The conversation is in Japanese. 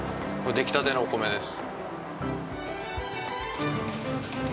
出来たてのお米です。